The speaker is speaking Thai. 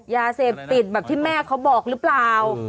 ยาเสพติดแบบที่แม่เขาบอกหรือเปล่า